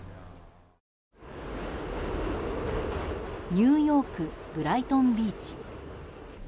ニューヨーク・ブライトンビーチ。